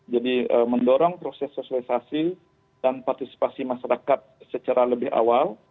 jadi mendorong proses sosialisasi dan partisipasi masyarakat secara lebih awal